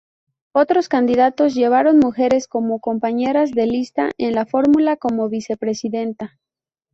Otros candidatos llevaron mujeres como compañeras de lista en la fórmula como Vicepresidenta.